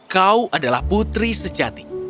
kau adalah putri sejati